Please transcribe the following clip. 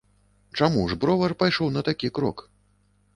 Чаму ж бровар пайшоў на такі крок?